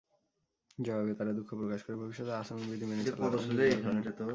জবাবে তাঁরা দুঃখ প্রকাশ করে ভবিষ্যতে আচরণবিধি মেনে চলার অঙ্গীকার করেন।